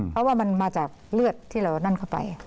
เพราะว่ามันมาจากเลือดที่เรานั่นเข้าไป